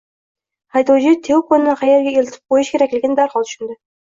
Haydovchi Tiyokoni qaerga eltib ko`yish kerakligini darhol tushundi